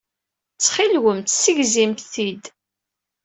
Ttxilwemt ssegzimt-t-id.